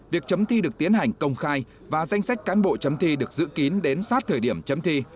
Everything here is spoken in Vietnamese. việc chấm thi được tiến hành công khai và danh sách cán bộ chấm thi được dự kín đến sát thời điểm chấm thi